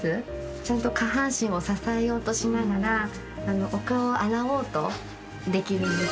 ちゃんと下半身を支えようとしながらお顔を洗おうとできるんです。